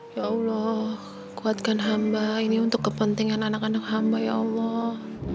ya allah kuatkan hamba ini untuk kepentingan anak anak hamba ya allah